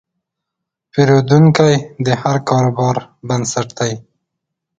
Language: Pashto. پیرودونکی د هر کاروبار بنسټ دی.